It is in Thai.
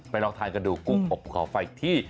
ลองทานกันดูกุ้งอบเขาไฟที่